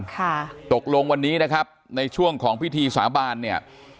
ค่ะตกลงวันนี้นะครับในช่วงของพิธีสาบานเนี่ย